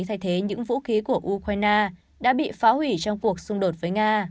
thay thế những vũ khí của ukraine đã bị phá hủy trong cuộc xung đột với nga